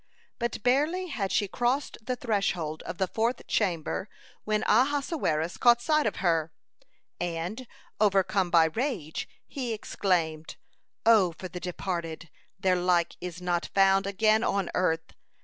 But barely had she crossed the threshold of the fourth chamber, when Ahasuerus caught sight of her, and, overcome by rage, he exclaimed: "O for the departed, their like is not found again on earth!